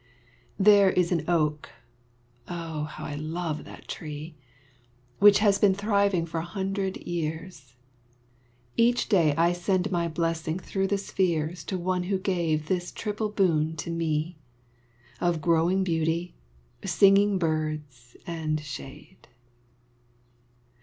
There is an oak (oh! how I love that tree) Which has been thriving for a hundred years; Each day I send my blessing through the spheres To one who gave this triple boon to me, Of growing beauty, singing birds, and shade.